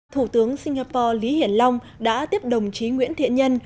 thủ tướng singapore lý hiển long đã tiếp đồng chí nguyễn thiện nhân